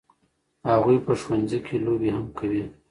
هغوی په ښوونځي کې لوبې هم کوي.